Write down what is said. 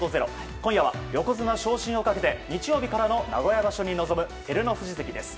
今夜は横綱昇進をかけて日曜日からの名古屋場所に臨む照ノ富士関です。